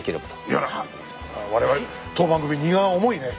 いや我々当番組荷が重いね。